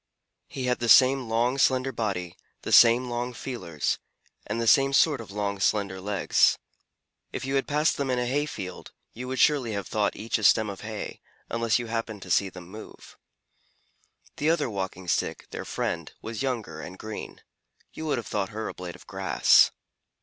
He had the same long, slender body, the same long feelers, and the same sort of long, slender legs. If you had passed them in a hay field, you would surely have thought each a stem of hay, unless you happened to see them move. The other Walking Stick, their friend, was younger and green. You would have thought her a blade of grass.